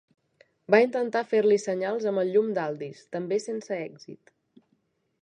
Va intentar fer-li senyals amb el llum d'Aldis, també sense èxit.